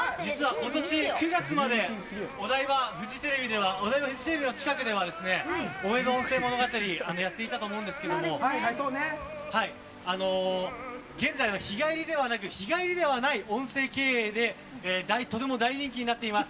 今年９月までフジテレビの近くでは大江戸温泉物語やっていましたが現在、日帰りではなく日帰りではない温泉経営でとても大人気になっています。